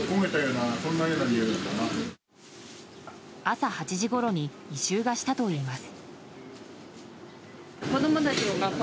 朝８時ごろに異臭がしたといいます。